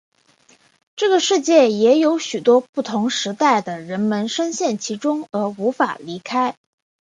这个世界也有许多不同时代的人们身陷其中而无法离开。